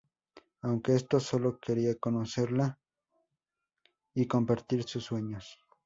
Aunque este solo quería conocerla y compartir sus sueños.